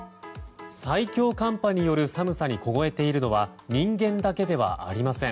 最強寒波による寒さに凍えているのは人間だけではありません。